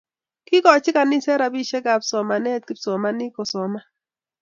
Kikachi kaniset rabisiek ab somanet kipsomanik kosoman